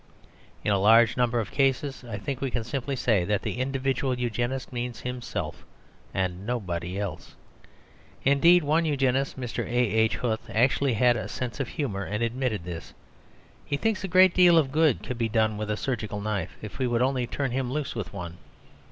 In a large number of cases I think we can simply say that the individual Eugenist means himself, and nobody else. Indeed one Eugenist, Mr. A.H. Huth, actually had a sense of humour, and admitted this. He thinks a great deal of good could be done with a surgical knife, if we would only turn him loose with one.